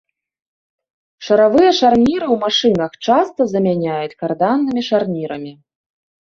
Шаравыя шарніры ў машынах часта замяняюць карданнымі шарнірамі.